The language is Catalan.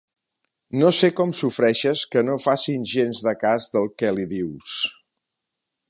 No sé com sofreixes que no faci gens de cas del que li dius.